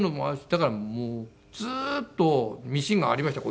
だからもうずっとミシンがありました。